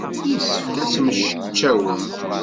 Yessefk ad temmecčawem.